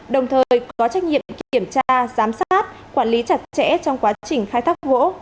đồng thời có trách nhiệm kiểm tra giám sát quản lý chặt chẽ trong quá trình khai thác gỗ